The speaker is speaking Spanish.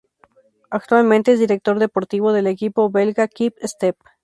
Actualmente es director deportivo del equipo belga QuickStep.